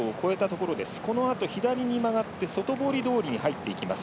このあと左に曲がって外堀通りに入っていきます。